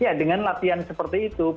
ya dengan latihan seperti itu